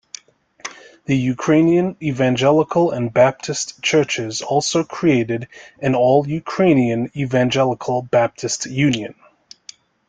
The Ukrainian Evangelical and Baptist churches also created an All-Ukrainian Evangelical-Baptist Union.